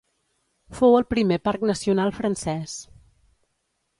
Fou el primer parc nacional francès.